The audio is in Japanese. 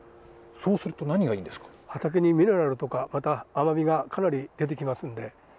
畑にミネラルとか、また甘みがかなり出てきますんで。